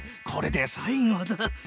これで最後だ！